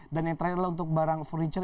yang terakhir adalah untuk barang furniture